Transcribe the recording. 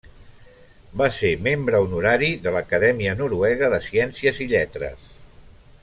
Va ser membre honorari de l'Acadèmia Noruega de Ciències i Lletres.